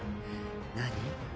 何？